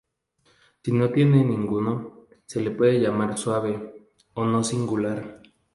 Si no tiene ninguno, se le puede llamar "suave" o "no singular".